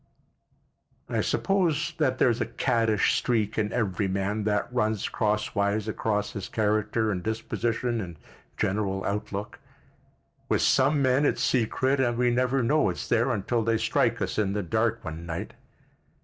I suppose that there's a caddish streak in every man that runs crosswise across his character and disposition and general outlook. With some men it's secret and we never know it's there until they strike us in the dark one night.